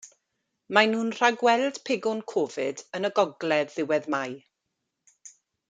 Mae'n nhw'n rhagweld pegwn Covid yn y gogledd ddiwedd Mai.